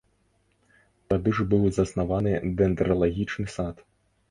Тады ж быў заснаваны дэндралагічны сад.